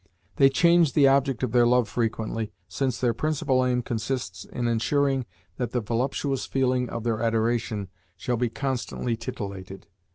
They change the object of their love frequently, since their principal aim consists in ensuring that the voluptuous feeling of their adoration shall be constantly titillated.